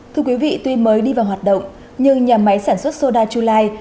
thưa quý vị tuy mới đi vào hoạt động nhưng nhà máy sản xuất soda chulai